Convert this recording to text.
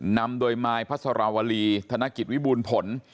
นำโดยนายพัสราวรีธนกิจวิบูรณ์ผล